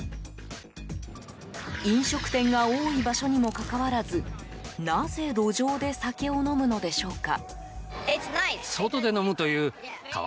飲食店が多い場所にもかかわらずなぜ路上で酒を飲むのでしょうか。